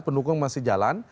pendukung masih jalan